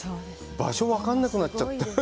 場所、分からなくなっちゃう。